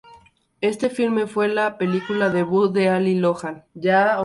Este filme fue la película debut de Ali Lohan.